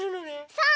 そう！